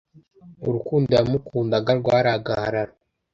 urukundo yamukundaga rwari agahararo